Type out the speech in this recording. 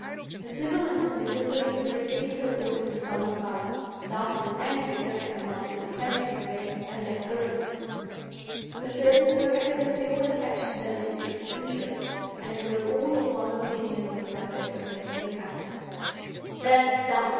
The civil and submissive Louisa received her orders in sullen silence—darted an angry look at her master's impenetrable guest—and left the room. The servants were evidently all attached to their mistress's interests, and were all of one opinion on the subject of Mrs. Lecount. "That's done!"